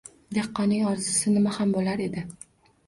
Dehqonning orzusi nima ham bo‘lar edi?